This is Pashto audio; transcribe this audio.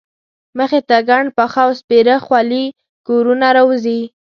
مخې ته ګڼ پاخه او سپېره خولي کورونه راوځي.